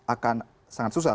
akan sangat susah